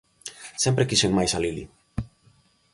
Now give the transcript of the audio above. Sempre quixen máis a Lili.